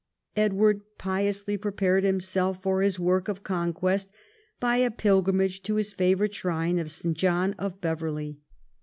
Edward piously prepared himself for his work of conquest by a pilgrimage to his favourite shrine of St. John of Beverley.